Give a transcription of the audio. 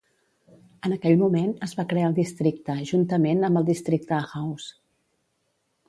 En aquell moment es va crear el districte, juntament amb el districte Ahaus.